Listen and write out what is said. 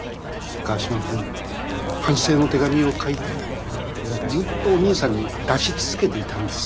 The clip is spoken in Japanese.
川島君反省の手紙を書いてずっとお兄さんに出し続けていたんです。